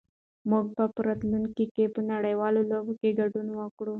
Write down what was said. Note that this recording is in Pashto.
موږ به په راتلونکي کې په نړيوالو لوبو کې ګډون وکړو.